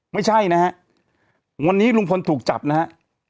ไม่ใช่นะฮะวันนี้ลุงพลถูกจับนะฮะ